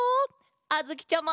あづきちゃま！